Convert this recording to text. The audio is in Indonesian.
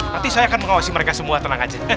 nanti saya akan mengawasi mereka semua tenang aja